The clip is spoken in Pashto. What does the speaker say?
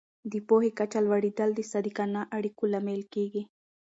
د پوهې کچه لوړېدل د صادقانه اړیکو لامل کېږي.